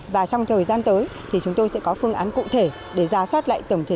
và trong thời gian tới thì chúng tôi sẽ có phương án cụ thể để ra soát lại tổng thể